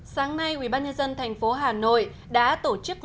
sáng nay ubnd tp hà nội đã tổ chức lễ hội đồng báo của đài truyền hình việt nam